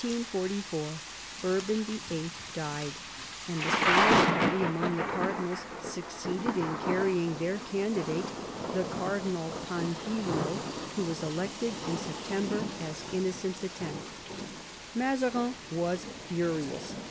On July 29, 1644, Urban VIIL died, and the Spanish party among the cardinals succeeded in carrying their candidate, the Cardinal Panfilio, who was elected in September as Innocent X. Mazarin was furious.